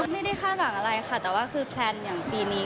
ไม่ได้คาดหวังอะไรค่ะแต่ว่าคือแพลนอย่างปีนี้